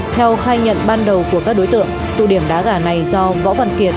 theo khai nhận ban đầu của các đối tượng tụ điểm đá gà này do võ văn kiệt